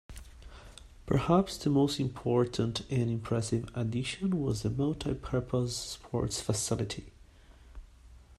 Perhaps the most important and impressive addition was the multi-purpose sports facility.